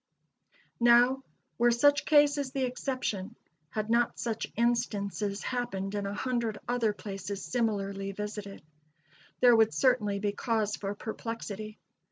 Now, were such cases the exception had not such instances happened in a hundred other places similarly visited there would certainly be cause for perplexity.